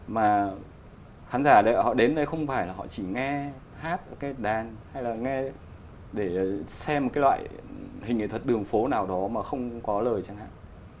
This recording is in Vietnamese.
mà khán giả họ đến đây không phải là họ chỉ nghe hát cái đàn hay là nghe để xem một cái loại hình nghệ thuật đường phố nào đó mà không có lời chẳng hạn